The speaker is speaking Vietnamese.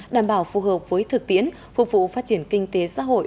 đảm bảo phù hợp với thực tiễn phục vụ phát triển kinh tế xã hội